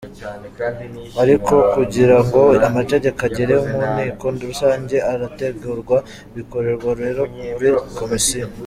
Ariko kugira ngo amategeko agere mu nteko rusange arategurwa, bikorerwa rero muri za Komisiyo.